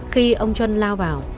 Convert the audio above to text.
khi ông chân lao vào